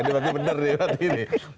dia berarti benar nih